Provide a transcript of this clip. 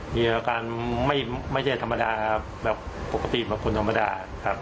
มีอาการไม่ใช่ธรรมดาแบบปกติแบบคนธรรมดา